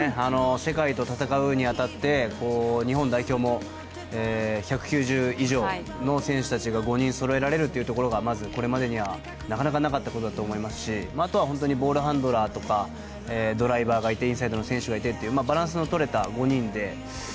世界と戦うに当たって日本代表も１９０以上の選手たちが５人そろえられるというところがまずこれまでには、なかなかなかったことだと思いますしあとはボールハンドラーとかドライバーがいてインサイドの選手がいてバランスのとれた５人で。